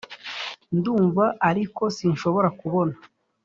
ndumva, ariko sinshobora kubona,